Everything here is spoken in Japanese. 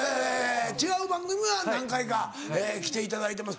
違う番組は何回か来ていただいてます。